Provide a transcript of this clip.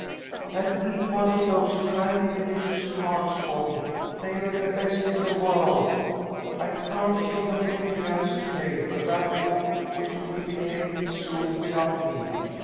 And eat one of those tiny delicious tarts for me. They're the best in the world. "I can't think of anything else to day, but that walk which you will be taking soon without me.